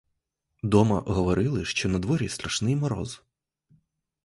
Дома говорили, що надворі страшний мороз.